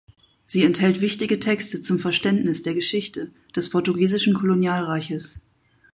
Sie enthält wichtige Texte zum Verständnis der Geschichte des portugiesischen Kolonialreiches.